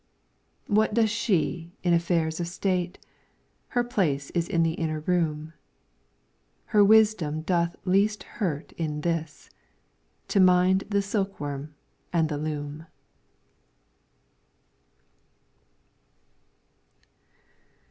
What does she in affairs of State ? Her place is in the inner room. Her wisdom doth least hurt in this, To mind the silkworm and the loom.